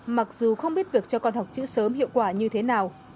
mặc dù không biết việc cho con học chữ sớm hiệu quả như thế nào